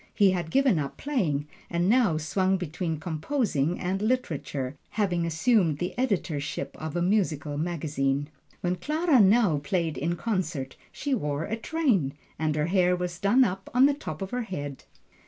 He had given up playing, and now swung between composing and literature, having assumed the editorship of a musical magazine. When Clara now played in concert, she wore a train, and her hair was done up on the top of her head.